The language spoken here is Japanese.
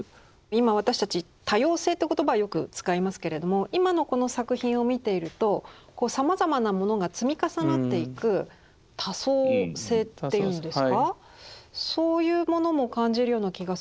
今私たち多様性という言葉よく使いますけれども今のこの作品を見ているとさまざまなものが積み重なっていく多層性っていうんですかそういうものも感じるような気がするんですが。